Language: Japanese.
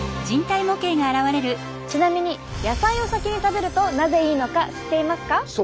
ちなみに野菜を先に食べるとなぜいいのか知っていますか？